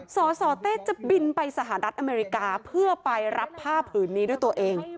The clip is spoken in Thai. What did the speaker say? สสเต้จะบินไปสหรัฐอเมริกาเพื่อไปรับผ้าผืนนี้ด้วยตัวเอง